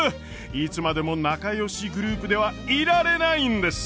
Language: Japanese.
いつまでも仲よしグループではいられないんです！